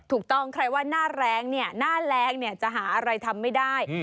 ถูกต้องใครว่าหน้าแรงเนี่ยหน้าแรงเนี่ยจะหาอะไรทำไม่ได้